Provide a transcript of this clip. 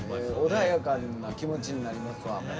穏やかな気持ちになりますわ。